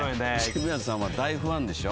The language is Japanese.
渋谷さんは大ファンでしょ？